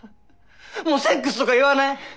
もうセックスとか言わない！